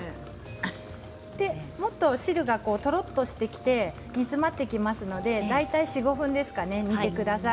もっと汁がとろっとして煮詰まってきますので大体４、５分ですかね煮てください。